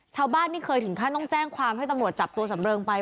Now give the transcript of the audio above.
ชาวบ้านนี่เคยถึงขั้นต้องแจ้งความให้ตำรวจจับตัวสำเริงไป